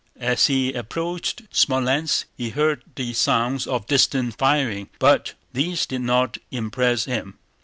As he approached Smolénsk he heard the sounds of distant firing, but these did not impress him.